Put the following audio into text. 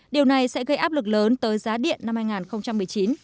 điều này sẽ gây áp lực lớn tới giá điện năm hai nghìn một mươi chín